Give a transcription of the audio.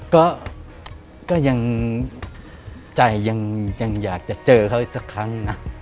ก็ยังใจยังอยากจะเจอเขาอีกสักครั้งนะ